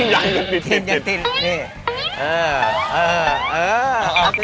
อย่างนี้อย่างยังติด